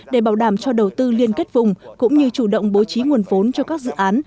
để bảo đảm cho đầu tư liên kết vùng cũng như chủ động bố trí nguồn vốn cho các dự án